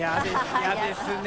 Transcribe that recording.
嫌ですね。